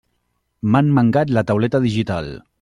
M'han mangat la tauleta digital!